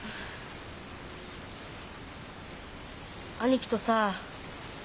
兄貴とさ。